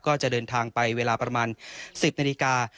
ก็จะเดินทางไปเวลาประมาณ๑๐นาฬิกา